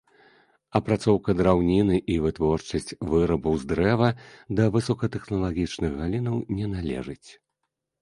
Апрацоўка драўніны і вытворчасць вырабаў з дрэва да высокатэхналагічных галінаў не належаць.